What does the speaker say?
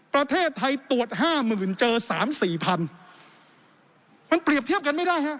ประเทศไทยตรวจห้าหมื่นเจอสามสี่พันมันเปรียบเทียบกันไม่ได้ฮะ